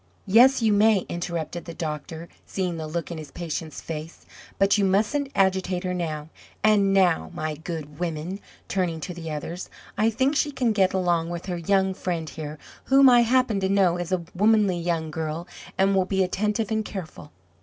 "Yes, you may," interrupted the doctor, seeing the look in his patient's face; "but you mustn't agitate her now. And now, my good women" turning to the others "I think she can get along with her young friend here, whom I happen to know is a womanly young girl, and will be attentive and careful."